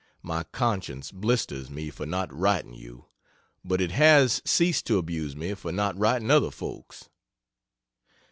My conscience blisters me for not writing you, but it has ceased to abuse me for not writing other folks.